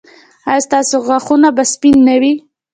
ایا ستاسو غاښونه به سپین نه وي؟